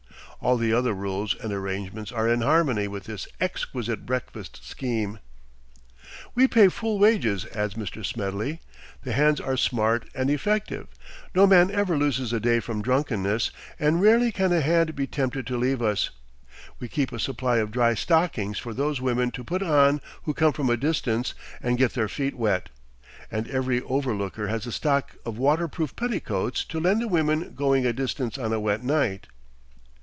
All the other rules and arrangements are in harmony with this exquisite breakfast scheme. "We pay full wages," adds Mr. Smedley, "the hands are smart and effective. No man ever loses a day from drunkenness, and rarely can a hand be tempted to leave us. We keep a supply of dry stockings for those women to put on who come from a distance and get their feet wet; and every overlooker has a stock of waterproof petticoats to lend the women going a distance on a wet night."